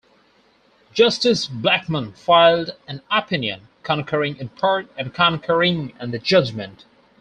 Justice Blackmun filed an opinion concurring in part and concurring in the judgment.